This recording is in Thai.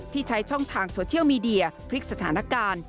ใช้ช่องทางโซเชียลมีเดียพลิกสถานการณ์